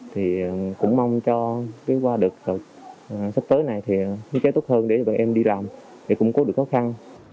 thì cũng mong cho cái qua được sắp tới này thì phóng chế tốt hơn để bọn em đi làm để củng cố được khó khăn